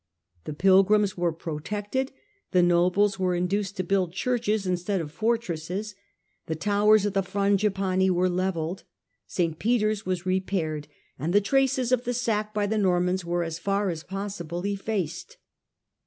The pilgrims were protected, the nobles were induced to build churches instead of fort resses, the towers of the Frangipani were levelled, St. Peter's was repaired, and the traces of the sack by the Normans were as far as possible efiaced.